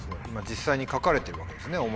今実際に描かれてるわけですね。